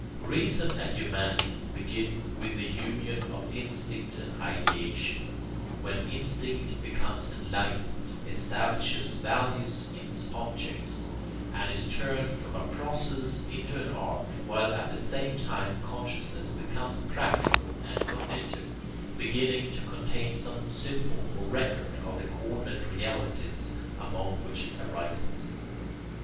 Reason and humanity begin with the union of instinct and ideation, when instinct becomes enlightened, establishes values in its objects, and is turned from a process into an art, while at the same time consciousness becomes practical and cognitive, beginning to contain some symbol or record of the co ordinate realities among which it arises.